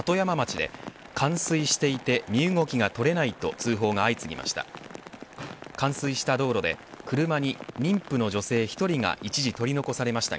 午後７時半ごろ鳩山町で冠水していて身動きが取れないと通報が相次ぎました。